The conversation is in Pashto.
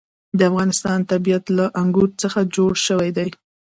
د افغانستان طبیعت له انګور څخه جوړ شوی دی.